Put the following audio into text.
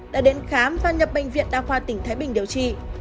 đã đến khám và nhập bệnh viện đa khoa tỉnh thái bình điều trị